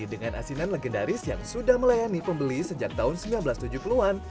dengan asinan legendaris yang sudah melayani pembeli sejak tahun seribu sembilan ratus tujuh puluh an